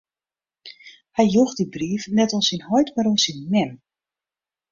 Hy joech dy brief net oan syn heit, mar oan syn mem.